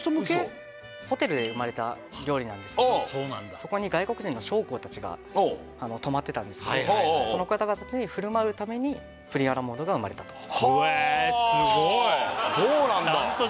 ホテルで生まれた料理なんですけどそこに外国人の将校たちが泊まってたんですけどその方たちに振る舞うためにプリンアラモードが生まれたとほえそうなんだ